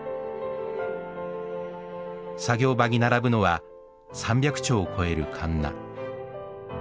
作業場に並ぶのは３００丁を超えるかんな。